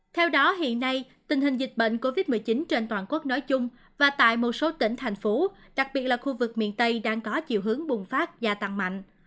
theo đó hiện nay tình hình dịch bệnh covid một mươi chín trên toàn quốc nói chung và tại một số tỉnh thành phố đặc biệt là khu vực miền tây đang có chiều hướng bùng phát và tăng mạnh